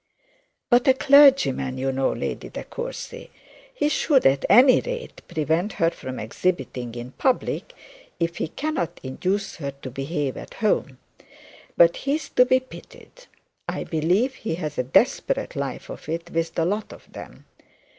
'But a clergyman, you know, Lady De Courcy! He should at any rate prevent her from exhibiting in public, if he cannot induce her to behave at home. But he is to be pitied. I believe he has a desperate life of it with the lot of them.